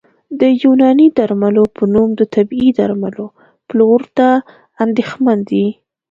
د یوناني درملو په نوم د طبي درملو پلور ته اندېښمن دي